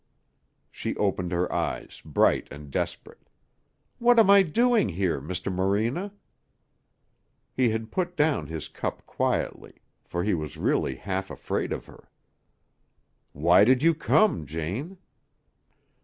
She opened her eyes, bright and desperate. "What am I doing here, Mr. Morena?" He had put down his cup quietly, for he was really half afraid of her. "Why did you come, Jane?"